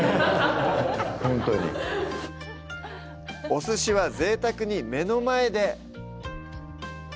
お鮨は、ぜいたくに目の前で。